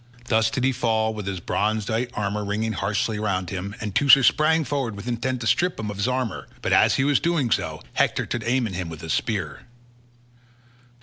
Thus did he fall with his bronze dight armour ringing harshly round him, and Teucer sprang forward with intent to strip him of his armour; but as he was doing so, Hector took aim at him with a spear.